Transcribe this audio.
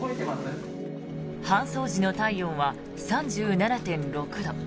搬送時の体温は３７．６度。